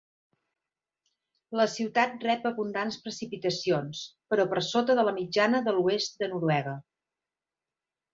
La ciutat rep abundants precipitacions, però per sota de la mitjana de l'oest de Noruega.